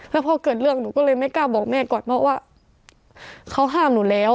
แล้วพอเกิดเรื่องหนูก็เลยไม่กล้าบอกแม่ก่อนเพราะว่าเขาห้ามหนูแล้ว